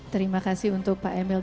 terima kasih untuk pak emil